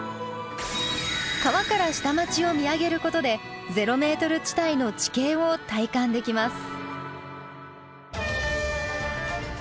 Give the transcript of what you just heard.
川から下町を見上げることでゼロメートル地帯の地形を体感できます。